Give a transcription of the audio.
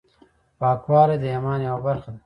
پاکوالی د ایمان یوه برخه ده.